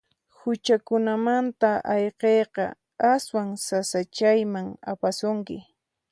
Huchakunamanta ayqiyqa aswan sasachayman apasunki.